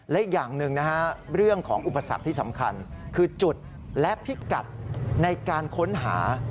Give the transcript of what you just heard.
และอีกอย่างหนึ่งนะฮะเรื่องของอุปสรรคที่สำคัญคือจุดและพิกัดในการค้นหา